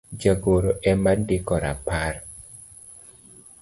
jagoro ema ndiko rapar